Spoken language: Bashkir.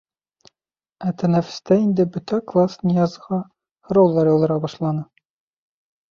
Ә тәнәфестә инде бөтә класс Ниязға һорауҙар яуҙыра башланы.